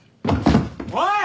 おい！